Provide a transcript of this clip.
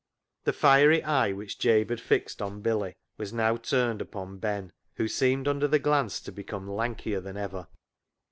The fiery eye which Jabe had fixed on Billy was now turned upon Ben, who seemed under the glance to become lankier than ever.